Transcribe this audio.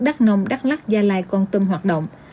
đắk nông đắk lắc gia lai quan tâm hoạt động